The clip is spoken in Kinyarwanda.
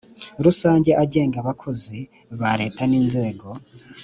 rusange agenga abakozi ba leta n inzego